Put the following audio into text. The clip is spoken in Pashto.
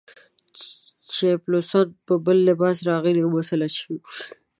پایلوچان په بل لباس راغلي او مسلط شوي وه.